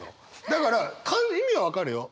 だから意味は分かるよ。